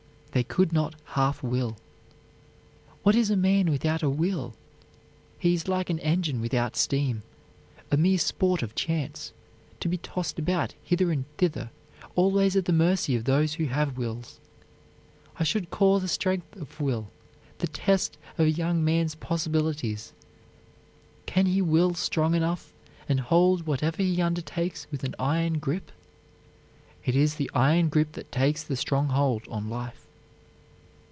They could not half will. What is a man without a will? He is like an engine without steam, a mere sport of chance, to be tossed about hither and thither, always at the mercy of those who have wills. I should call the strength of will the test of a young man's possibilities. Can he will strong enough, and hold whatever he undertakes with an iron grip? It is the iron grip that takes the strong hold on life.